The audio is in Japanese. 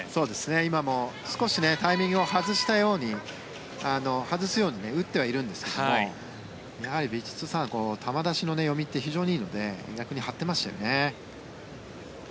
今も少しタイミングを外すように打ってはいるんですがやはり、ヴィチットサーン球出しの読みって非常にいいので逆に張ってましたよね。